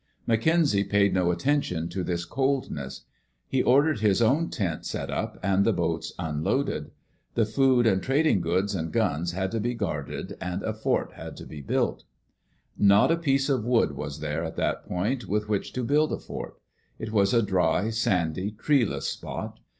McKenzie paid no attention to this coldness. He or dered his own tent set up and the boats unloaded. The food and trading goods and guns had to be guarded and a fort had to be built. Not a piece of wood was there at that point with which to build a fort. It was a dry, sandy, treeless spot.